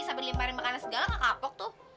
sampai dilemparin makanan segala nggak kapok tuh